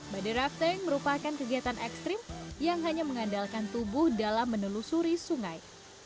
body rafting merupakan kegiatan ekstrim yang hanya mengandalkan tubuh dalam menelusuri sungai